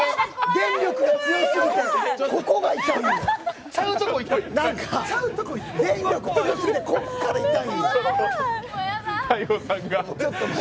電力が強すぎてここから痛いんよ。